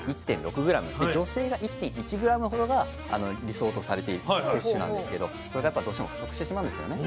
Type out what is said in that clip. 女性が１．１ｇほどが理想とされている摂取なんですけどそれがやっぱどうしても不足してしまうんですよね。